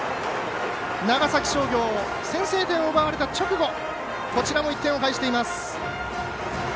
長崎商業、先制点を奪われた直後こちらも１点を返しています。